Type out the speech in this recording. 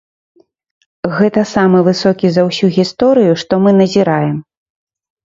Гэта самы высокі за ўсю гісторыю, што мы назіраем.